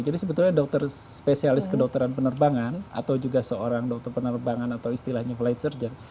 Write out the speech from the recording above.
jadi sebetulnya dokter spesialis kedokteran penerbangan atau juga seorang dokter penerbangan atau istilahnya flight surgeon